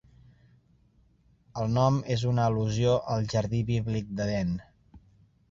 El nom és una al·lusió al jardí bíblic d'Edèn.